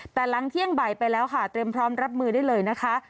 แต่หลังเที่ยงบ่ายไปแล้วค่ะเตรียมพร้อมรับมือได้เลยนะคะ